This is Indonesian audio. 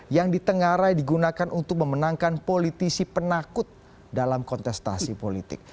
yang ditengarai digunakan untuk memenangkan politisi penakut dalam kontestasi politik